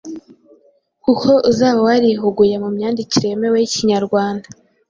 kuko uzaba warihuguye mu myandikire yemewe y’Ikinyarwanda